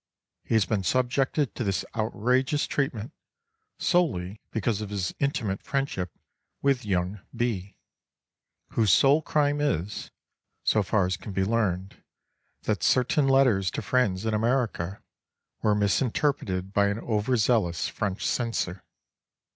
He has been subjected to this outrageous treatment solely because of his intimate friendship with young B——, whose sole crime is—so far as can be learned—that certain letters to friends in America were misinterpreted by an over zealous French censor.